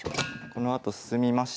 このあと進みまして。